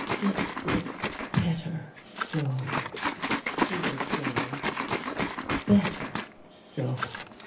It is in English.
"It is better so," he was saying. "Better so!"